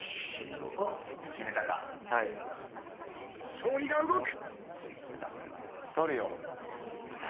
勝利が動く！